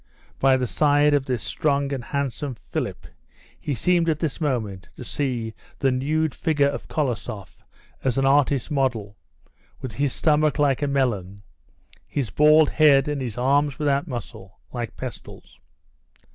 By the side of this strong and handsome Philip he seemed at this minute to see the nude figure of Kolosoff as an artist's model; with his stomach like a melon, his bald head, and his arms without muscle, like pestles.